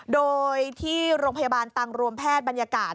โดยที่โรงพยาบาลตังรวมแพทย์บรรยากาศ